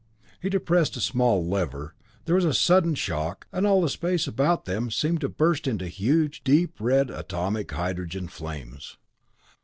He depressed a small lever there was a sudden shock, and all the space about them seemed to burst into huge, deep red atomic hydrogen flames.